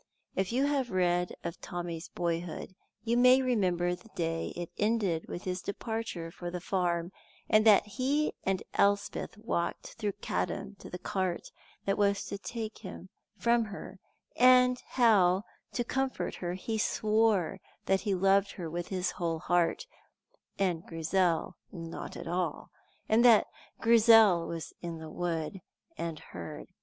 If you have read of Tommy's boyhood you may remember the day it ended with his departure for the farm, and that he and Elspeth walked through Caddam to the cart that was to take him from her, and how, to comfort her, he swore that he loved her with his whole heart, and Grizel not at all, and that Grizel was in the wood and heard.